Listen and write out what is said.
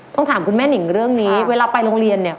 ถามคุณแม่หนิงเรื่องนี้เวลาไปโรงเรียนเนี่ย